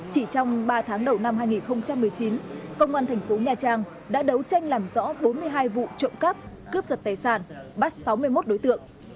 chỉ trong ba tháng đầu năm hai nghìn một mươi chín công an thành phố nha trang đã đấu tranh làm rõ bốn mươi hai vụ trộm cắp cướp giật tài sản bắt sáu mươi một đối tượng